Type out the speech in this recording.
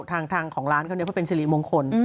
ทางของร้านเขาเนี่ยเพื่อเป็นสิริมงคล